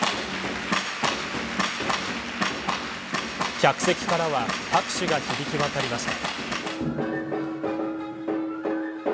客席からは拍手が響き渡りました。